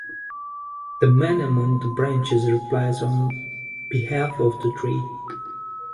The man among the branches replies on behalf of the tree.